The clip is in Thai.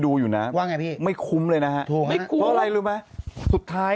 ดูอยู่นะว่าไงพี่ไม่คุ้มเลยนะฮะเพราะอะไรรู้ไหมสุดท้าย